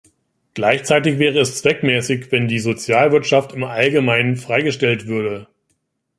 Gleichzeitig wäre es zweckmäßig, wenn die Sozialwirtschaft im Allgemeinen freigestellt würde.